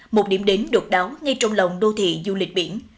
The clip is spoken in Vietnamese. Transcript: một điểm đến độc đáo ngay trong lòng đô thị du lịch biển